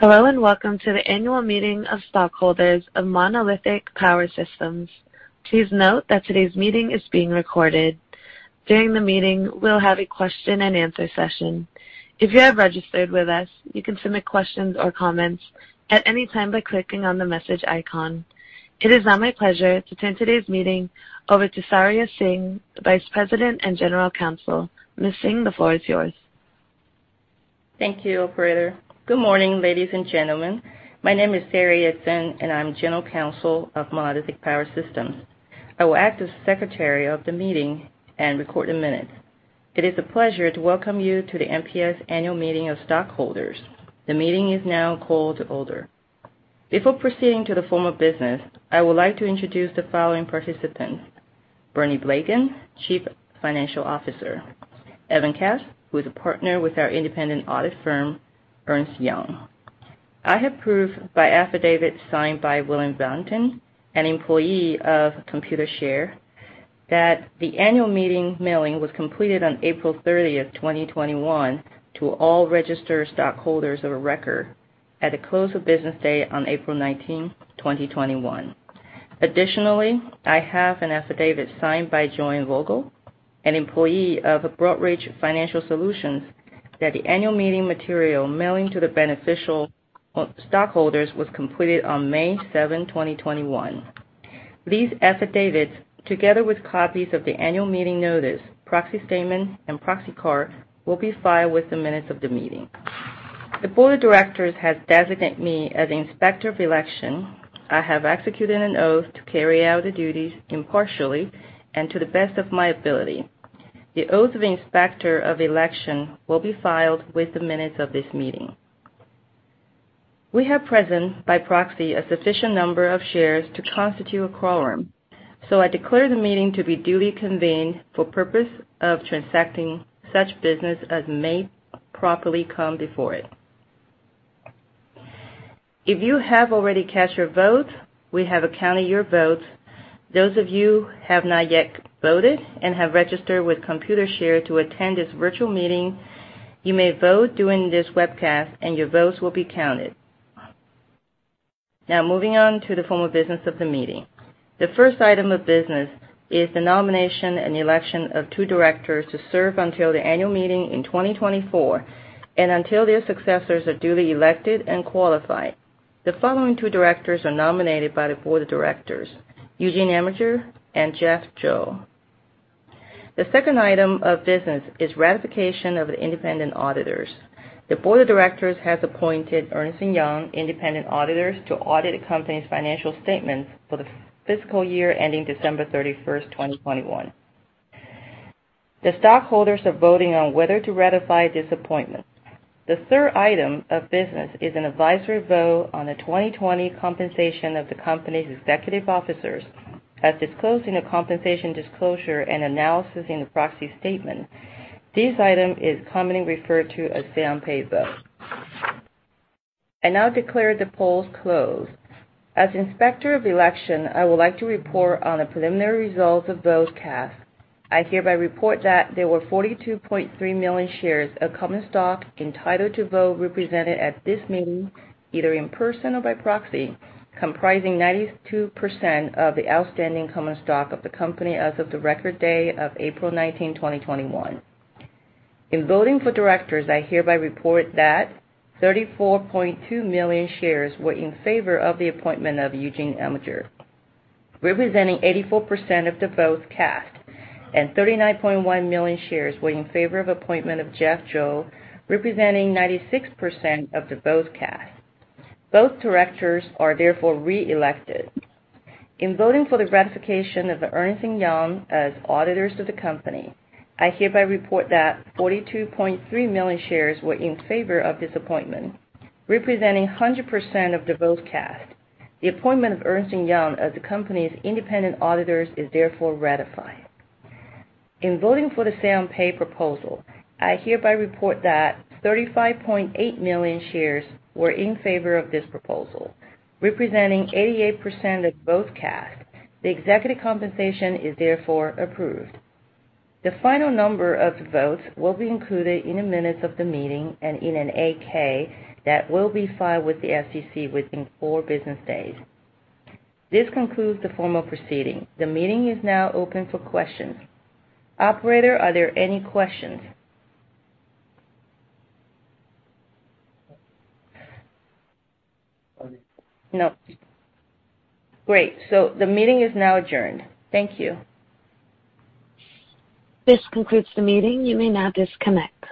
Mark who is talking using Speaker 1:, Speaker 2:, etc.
Speaker 1: Hello, and welcome to the annual meeting of stockholders of Monolithic Power Systems. Please note that today's meeting is being recorded. During the meeting, we'll have a question and answer session. If you have registered with us, you can submit questions or comments at any time by clicking on the message icon. It is now my pleasure to turn today's meeting over to Saria Tseng, the Vice President and General Counsel. Ms. Tseng, the floor is yours.
Speaker 2: Thank you, operator. Good morning, ladies and gentlemen. My name is Saria Tseng, and I'm General Counsel of Monolithic Power Systems. I will act as secretary of the meeting and record the minutes. It is a pleasure to welcome you to the MPS annual meeting of stockholders. The meeting is now called to order. Before proceeding to the formal business, I would like to introduce the following participants: Bernie Blegen, Chief Financial Officer, Evan Cass, who is a partner with our independent audit firm, Ernst & Young. I have proof by affidavit signed by William Ballentine, an employee of Computershare, that the annual meeting mailing was completed on April 30th, 2021, to all registered stockholders of the record at the close of business day on April 19th, 2021. Additionally, I have an affidavit signed by Joanne Vogel, an employee of Broadridge Financial Solutions, that the annual meeting material mailing to the beneficial stockholders was completed on May 7th, 2021. These affidavits, together with copies of the annual meeting notice, proxy statement, and proxy card, will be filed with the minutes of the meeting. The board of directors has designated me as the inspector of the election. I have executed an oath to carry out the duties impartially and to the best of my ability. The oath of the inspector of the election will be filed with the minutes of this meeting. We have present, by proxy, a sufficient number of shares to constitute a quorum. I declare the meeting to be duly convened for purpose of transacting such business as may properly come before it. If you have already cast your vote, we have accounted your vote. Those of you have not yet voted and have registered with Computershare to attend this virtual meeting, you may vote during this webcast, and your votes will be counted. Moving on to the formal business of the meeting. The first item of business is the nomination and the election of two directors to serve until the annual meeting in 2024 and until their successors are duly elected and qualified. The following two directors are nominated by the board of directors, Eugen Elmiger and Jeff Zhou. The second item of business is ratification of the independent auditors. The board of directors has appointed Ernst & Young independent auditors to audit the company's financial statements for the fiscal year ending December 31st, 2021. The stockholders are voting on whether to ratify this appointment. The third item of business is an advisory vote on the 2020 compensation of the company's executive officers as disclosed in the compensation disclosure and analysis in the proxy statement. This item is commonly referred to as say-on-pay vote. I now declare the polls closed. As Inspector of Election, I would like to report on the preliminary results of votes cast. I hereby report that there were 42.3 million shares of common stock entitled to vote represented at this meeting, either in person or by proxy, comprising 92% of the outstanding common stock of the company as of the record day of April 19, 2021. In voting for directors, I hereby report that 34.2 million shares were in favor of the appointment of Eugen Elmiger, representing 84% of the votes cast, and 39.1 million shares were in favor of appointment of Jeff Zhou, representing 96% of the votes cast. Both directors are therefore re-elected. In voting for the ratification of Ernst & Young as auditors of the company, I hereby report that 42.3 million shares were in favor of this appointment, representing 100% of the votes cast. The appointment of Ernst & Young as the company's independent auditors is therefore ratified. In voting for the say-on-pay proposal, I hereby report that 35.8 million shares were in favor of this proposal, representing 88% of the votes cast. The executive compensation is therefore approved. The final number of the votes will be included in the minutes of the meeting and in an 8-K that will be filed with the SEC within four business days. This concludes the formal proceeding. The meeting is now open for questions. Operator, are there any questions?
Speaker 1: No.
Speaker 2: Great. The meeting is now adjourned. Thank you.
Speaker 1: This concludes the meeting. You may now disconnect.